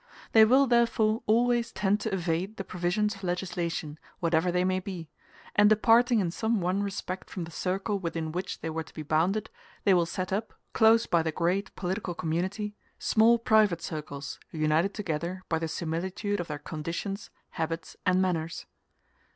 They will therefore always tend to evade the provisions of legislation, whatever they may be; and departing in some one respect from the circle within which they were to be bounded, they will set up, close by the great political community, small private circles, united together by the similitude of their conditions, habits, and manners.